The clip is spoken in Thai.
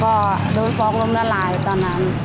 ก็โดนฟ้องล้มละลายตอนนั้น